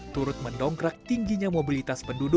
turut mendongkrak tingginya mobilitas penduduk